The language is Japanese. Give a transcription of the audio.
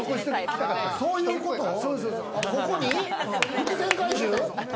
伏線回収？